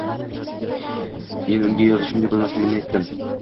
Men unga yozishni bilmasligimni aytdim